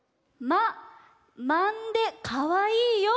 「まんでかわいいよ」。